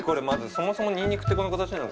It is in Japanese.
そもそもニンニクってこの形なの？